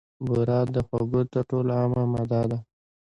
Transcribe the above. بوره د خوږو تر ټولو عامه ماده ده.